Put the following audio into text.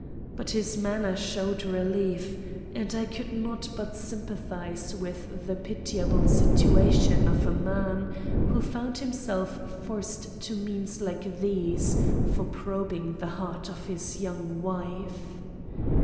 But his manner showed relief, and I could not but sympathize with the pitiable situation of a man who found himself forced to means like these for probing the heart of his young wife.